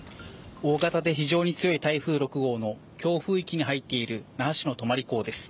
大型で非常に強い台風６号の強風域に入っている那覇市の泊港です。